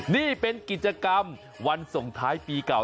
นี่เป็นกิจกรรมวันส่งท้ายปีเก่า